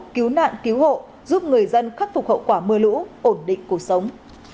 cứu nạn cứu hộ giúp người dân khắc phục hậu quả mưa lũ ổn định cuộc sống